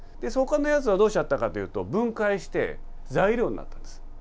ほかのやつはどうしちゃったかというと、分解して材料になっていくんです。